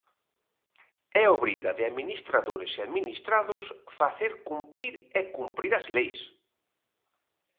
É obriga de administradores e administrados facer cumprir e cumprir as leis.